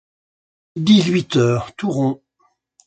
Dix-huit heures, tout rond.